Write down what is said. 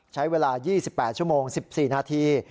ใช้เวลา๒๘ชั่วโมง๑๔นาที